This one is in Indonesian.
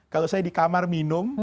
kalau saya di kamar minum